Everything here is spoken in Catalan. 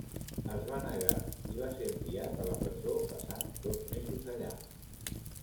Es va negar, i va ser enviat a la presó, passant dos mesos allà.